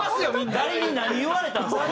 誰に何言われたんですか？